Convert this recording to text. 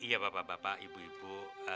iya bapak bapak ibu ibu